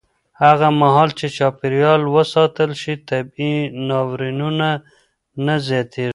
هغه مهال چې چاپېریال وساتل شي، طبیعي ناورینونه نه زیاتېږي.